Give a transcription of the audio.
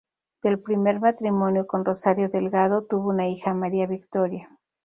Del primer matrimonio con Rosario Delgado, tuvo una hija, María Victoria.